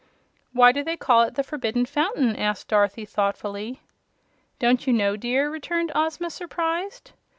"Why do they call it the Forbidden Fountain?" asked Dorothy, thoughtfully. "Don't you know, dear?" returned Ozma, surprised.